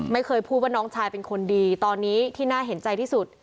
ไม่เคยพูดว่าน้องชายเป็นคนดีตอนนี้ที่น่าเห็นใจที่สุด